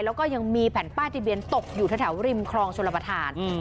แล้วก็ยังมีแผ่นป้ายที่เบียนตกอยู่ทะแถวริมคลองสุรประทานอืม